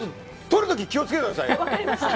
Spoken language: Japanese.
取る時気を付けてくださいよ。